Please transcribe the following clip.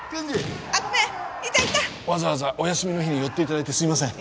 わざわざお休みの日に寄っていただいてすいません。